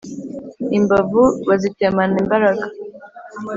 imbavu bazitemana imbaraga